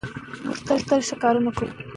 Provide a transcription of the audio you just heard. د ښونځي د هنري پروژو د پیاوړتیا له لارې.